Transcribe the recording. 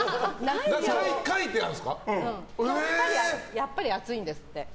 やっぱり暑いんですって。